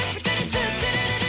スクるるる！」